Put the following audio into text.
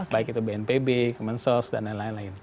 baik itu bnpb kemensos dan lain lain